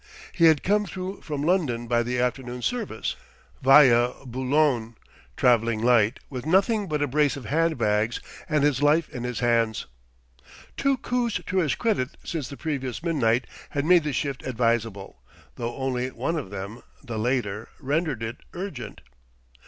He had come through from London by the afternoon service via Boulogne travelling light, with nothing but a brace of handbags and his life in his hands. Two coups to his credit since the previous midnight had made the shift advisable, though only one of them, the later, rendered it urgent.